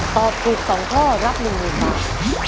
ตอบถูก๒ข้อรับ๑๐๐๐บาท